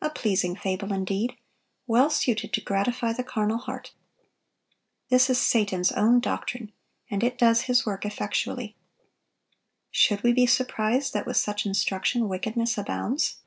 A pleasing fable indeed, well suited to gratify the carnal heart! This is Satan's own doctrine, and it does his work effectually. Should we be surprised that, with such instruction, wickedness abounds?